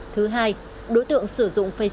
thứ hai đối tượng sử dụng facebook giả là người nước